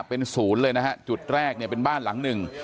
เป็นศูนย์เลยนะฮะจุดแรกเนี่ยเป็นบ้านหลังหนึ่ง